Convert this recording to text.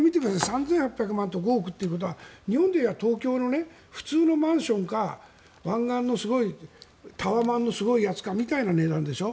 ３８００万と５億ということは日本でいえば東京の普通のマンションか湾岸のタワマンのすごいやつかみたいな値段でしょ。